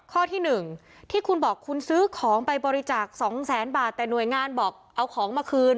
ข้อที่๑ที่คุณบอกคุณซื้อของไปบริจาคสองแสนบาทแต่หน่วยงานบอกเอาของมาคืน